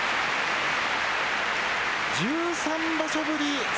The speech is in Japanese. １３場所ぶり